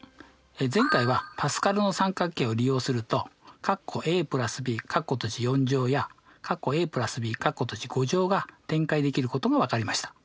前回はパスカルの三角形を利用するとやが展開できることが分かりました。